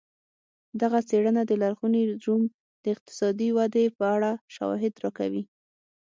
دغه څېړنه د لرغوني روم د اقتصادي ودې په اړه شواهد راکوي